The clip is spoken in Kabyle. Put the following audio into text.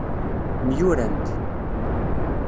Myurant.